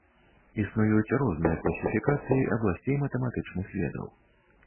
Існуюць розныя класіфікацыі абласцей матэматычных ведаў.